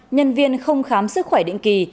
nhân viên không khám sức khỏe định kỳ